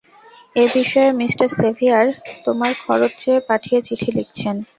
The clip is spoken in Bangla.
এ বিষয়ে মি সেভিয়ার তোমার খরচ চেয়ে পাঠিয়ে চিঠি লিখছেন।